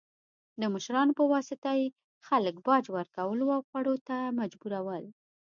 د مشرانو په واسطه یې خلک باج ورکولو او خوړو ته مجبورول.